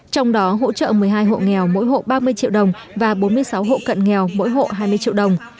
trong đó hỗ trợ một mươi hai hộ nghèo mỗi hộ ba mươi triệu đồng và bốn mươi sáu hộ cận nghèo mỗi hộ hai mươi triệu đồng